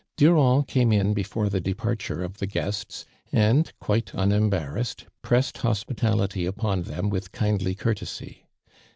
Durand came in before the departure of the guests, and, quite unembarrassed, pres sed hospitality upon them with kindly courtesy.